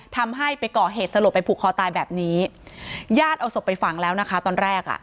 ทำให้ไปก่อเหตุสลบไปผูกคอตายแบบนี้ญาติเอาศพไปฝังแล้วนะคะตอนแรกอ่ะ